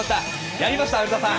やりましたね、古田さん！